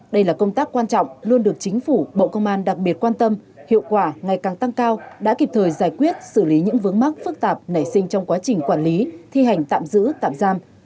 đây là công tác quan trọng luôn được chính phủ bộ công an đặc biệt quan tâm hiệu quả ngày càng tăng cao đã kịp thời giải quyết xử lý những vướng mắc phức tạp nảy sinh trong quá trình quản lý thi hành tạm giữ tạm giam